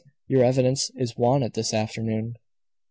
Your evidence is wanted this afternoon."